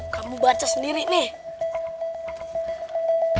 kamu baca sendiri nih